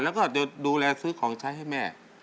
แล้วก็จะดูแลซื้อของใช้ให้แม่